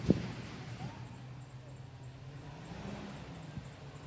Waya luonga matek.dhi dala.